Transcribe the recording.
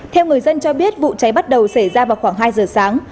theo người dân cho biết vụ cháy bắt đầu xảy ra vào khoảng hai giờ sáng